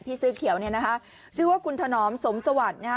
เสื้อเขียวเนี่ยนะคะชื่อว่าคุณถนอมสมสวัสดิ์นะฮะ